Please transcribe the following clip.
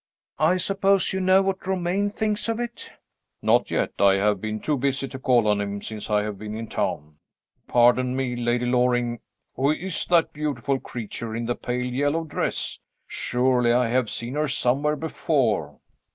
"I suppose you know what Romayne thinks of it?" "Not yet. I have been too busy to call on him since I have been in town. Pardon me, Lady Loring, who is that beautiful creature in the pale yellow dress? Surely I have seen her somewhere before?"